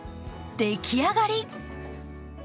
出来上がり。